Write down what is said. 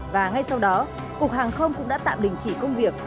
và ngay sau đó cục hàng không cũng đã tạm đình chỉ công việc